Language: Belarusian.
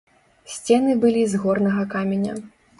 Сцены былі з горнага каменя.